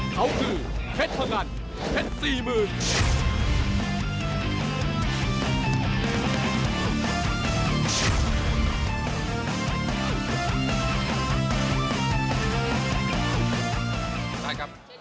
เขาคือเฮ็ดพังรรดิเฮ็ดสี่หมื่น